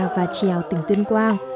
và trèo tỉnh tuyên quang